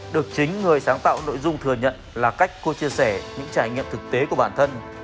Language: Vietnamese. được chính người sáng tạo nội dung thừa nhận là cách cô chia sẻ những trải nghiệm thực tế của bản thân